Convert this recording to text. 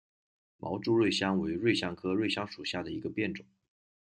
毛柱瑞香为瑞香科瑞香属下的一个变种。